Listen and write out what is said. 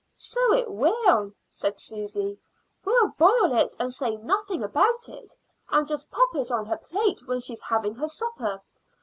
"So it will," said Susy. "We'll boil it and say nothing about it, and just pop it on her plate when she's having her supper.